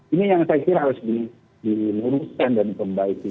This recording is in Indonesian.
ini yang saya kira harus dinuruskan dan pembaiki